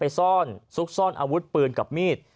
ซ่อนซุกซ่อนอาวุธปืนกับมีด